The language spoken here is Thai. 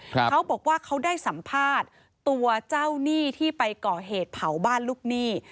เขาบอกว่าเขาได้สัมภาษณ์ตัวเจ้าหนี้ที่ไปก่อเหตุเผาบ้านลูกหนี้